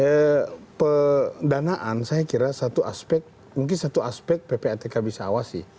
ya pendanaan saya kira satu aspek mungkin satu aspek ppatk bisa awasi